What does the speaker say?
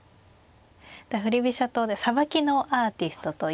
振り飛車党でさばきのアーティストという。